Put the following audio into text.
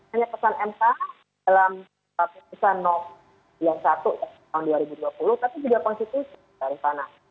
hanya putusan mk dalam putusan nok yang satu tahun dua ribu dua puluh tapi juga konstitusi dari sana